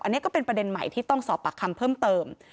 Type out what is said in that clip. อันนี้ก็เป็นประเด็นใหม่ที่ต้องสอบปากคำเพิ่มเติม